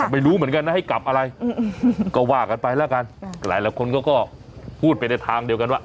ไม่รู้เหมือนกันนะให้กลับอะไรก็ว่ากันไปแล้วกันหลายคนก็พูดไปในทางเดียวกันว่า